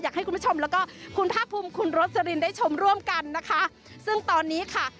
อยากให้คุณผู้ชมแล้วก็คุณภาคภูมิคุณโรสลินได้ชมร่วมกันนะคะซึ่งตอนนี้ค่ะ